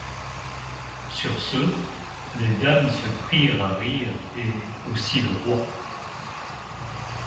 Sur ce, les dames se prindrent à rire et aussy le Roy.